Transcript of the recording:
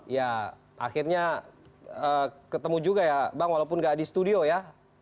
ya akhirnya ketemu juga ya bang walaupun gak di studio ya